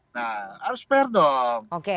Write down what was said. nah harus fair dong